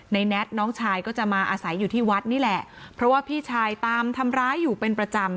แน็ตน้องชายก็จะมาอาศัยอยู่ที่วัดนี่แหละเพราะว่าพี่ชายตามทำร้ายอยู่เป็นประจำ